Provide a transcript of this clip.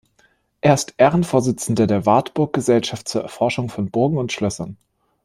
Er ist Ehrenvorsitzender der "Wartburg-Gesellschaft zur Erforschung von Burgen und Schlössern.